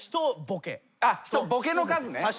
ボケの数ね。